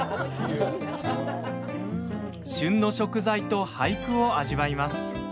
旬の食材と俳句を味わいます。